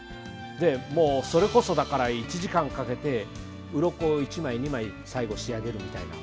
それこそ１時間かけてうろこを１枚２枚最後仕上げるみたいな。